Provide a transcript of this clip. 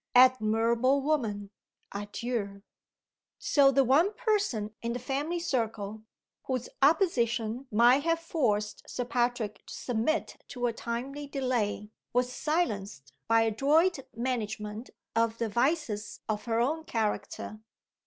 Admirable woman adieu!" So the one person in the family circle, whose opposition might have forced Sir Patrick to submit to a timely delay, was silenced by adroit management of the vices of her own character.